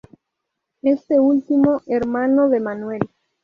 Este último, hermano de Manuel.